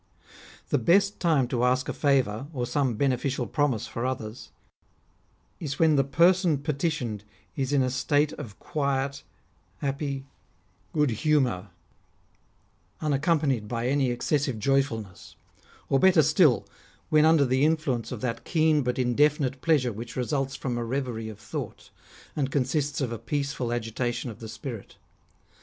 The best time to ask a favour, or some beneficial promise for others, is when the person petitioned is in a state of quiet, happy good 126 REMARKABLE SAYINGS OF humour, unaccompanied by any excessive joyfulness; or better still, when under the influence of that keen but indefinite pleasure which results from a reverie of thought, and consists of a peaceful agitation of the spirit.